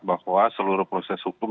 bahwa seluruh proses hukum